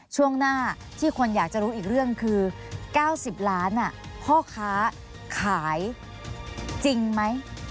ช่วงหน้าที่คนอยากจะรู้อีกเรื่องคือ๙๐ล้านพ่อค้าขายจริงไหม